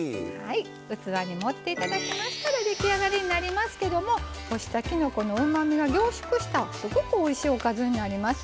器に盛っていただきましたら出来上がりになりますけど干したきのこのうまみが凝縮したすごくおいしいおかずになります。